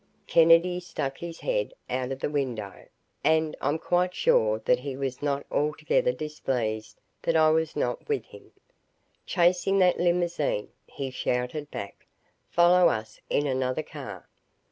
Kennedy stuck his head out of the window and I am quite sure that he was not altogether displeased that I was not with him. "Chasing that limousine," he shouted back. "Follow us in another car."